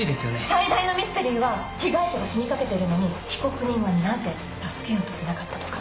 最大のミステリーは被害者が死にかけているのに被告人はなぜ助けようとしなかったのか。